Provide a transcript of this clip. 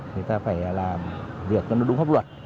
người ta phải làm việc đúng pháp luật